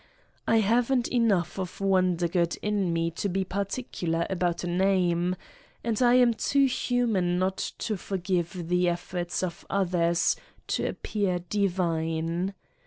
I haven't enough of Wondergood in me to be particular about a name and I am 65 Satan's Diary too human not to forgive the efforts of others to appear divine.